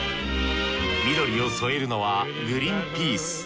緑をそえるのはグリーンピース。